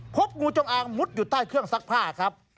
พบงูจงอางมุดอยู่ใต้เครื่องซักผ้าครับ